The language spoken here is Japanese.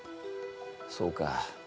そうか。